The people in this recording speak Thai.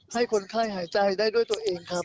ให้คนไข้หายใจได้ด้วยตัวเองครับ